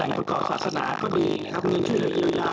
แหล่งหัวขาวศาสนาก็ดีนะครับ